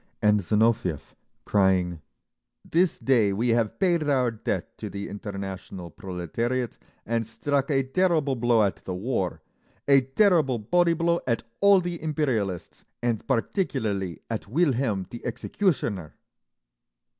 And Zinoviev, crying, "This day we have paid our debt to the international proletariat, and struck a terrible blow at the war, a terrible body blow at all the imperialists and particularly at Wilhelm the Executioner…."